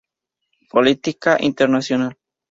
Política internacional.